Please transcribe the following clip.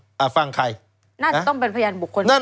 น่าจะต้องเป็นพยานบุคคล